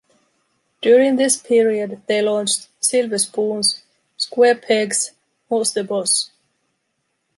During this period, they launched "Silver Spoons", "Square Pegs", "Who's the Boss?